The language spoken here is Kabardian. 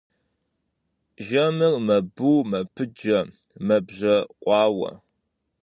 Жэмыр мэбу, мэпыджэ, мэбжьэкъуауэ.